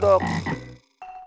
tunggu om jin